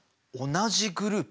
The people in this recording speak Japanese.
同じグループ？